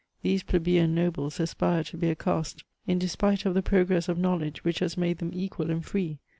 These plebeian nobles aspire to be a caste in despite of the progress of knowledge which has made them equal and free.